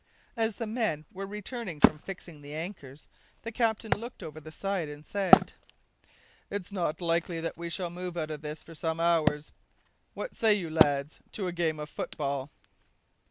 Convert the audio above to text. As the men were returning from fixing the anchors, the captain looked over the side, and said: "It's not likely that we shall move out of this for some hours. What say you, lads, to a game of football?"